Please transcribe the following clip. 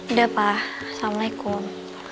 udah pak assalamualaikum